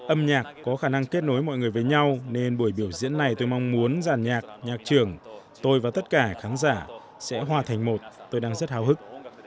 âm nhạc có khả năng kết nối mọi người với nhau nên buổi biểu diễn này tôi mong muốn giàn nhạc nhạc trưởng tôi và tất cả khán giả sẽ hòa thành một tôi đang rất hào hức